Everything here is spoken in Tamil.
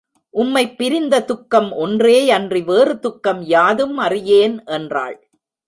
உம்மைப் பிரிந்த துக்கம் ஒன்றேயன்றி வேறு துக்கம் யாதும் அறியேன் என்றாள்.